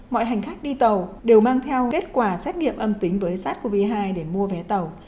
mọi hành khách đi tàu đều mang theo kết quả xét nghiệm âm tính với sắt covid một mươi chín để mua vé tàu